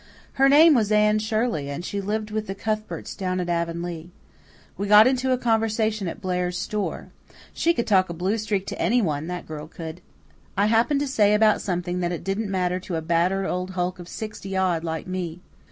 Her name was Anne Shirley and she lived with the Cuthberts down at Avonlea. We got into a conversation at Blair's store. She could talk a blue streak to anyone, that girl could. I happened to say about something that it didn't matter to a battered old hulk of sixty odd like me.